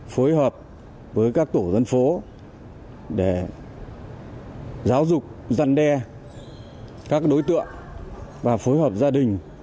phối hợp với các tổ dân phố để giáo dục giăn đe các đối tượng và phối hợp gia đình